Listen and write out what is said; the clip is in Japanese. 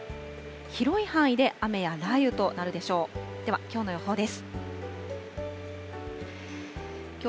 広い範囲で雨や雷雨となるでしょう。